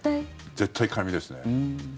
絶対紙ですね。